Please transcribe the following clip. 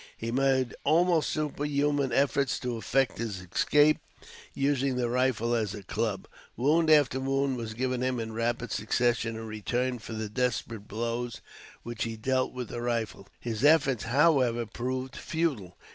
He made almost superhuman efforts to effect his escape, using the rifle as a club; wound after wound was given him in rapid succession in return for the desperate blows which he dealt with the rifle. His efforts, however, proved futile.